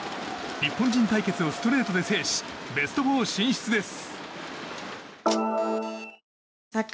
日本人対決をストレートで制しベスト４進出です。